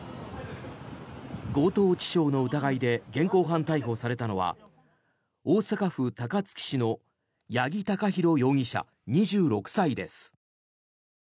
強盗致傷の疑いで現行犯逮捕されたのは大阪府高槻市の八木貴寛容疑者、２６歳です。